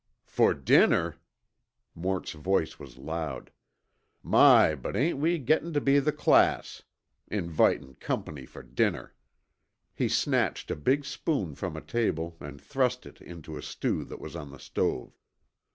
"For dinner!" Mort's voice was loud. "My, but ain't we gettin' to be the class. Invitin' company for dinner." He snatched a big spoon from a table and thrust it into a stew that was on the stove.